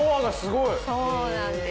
そうなんです。